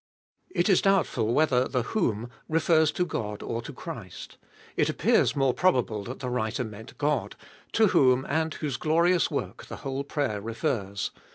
It is doubtful whether the whom refers to God or to Christ, It appears more probable that the writer meant God, to whom and whose glorious work the whole prayer refers.